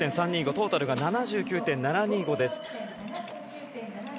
トータルが７９．７２５です。